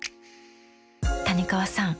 谷川さん